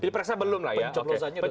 pilpresnya belum lah ya pencoblosannya sudah